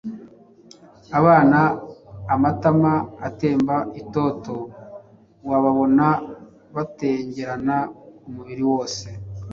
Abana amatama atemba itoto wababona batengerana umubiri wose